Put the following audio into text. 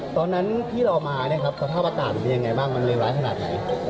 ตอนนั้นที่เรามาเนี่ยครับสภาพอากาศมันเป็นยังไงบ้างมันเลวร้ายขนาดไหน